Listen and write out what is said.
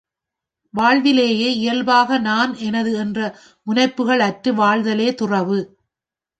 வாழ்விலேயே இயல்பாக நான் எனது என்ற முனைப்புக்கள் அற்று வாழ்தலே துறவு.